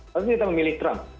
lalu kita memilih trump